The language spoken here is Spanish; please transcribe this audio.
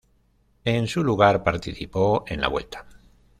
En su lugar, participó en la Vuelta.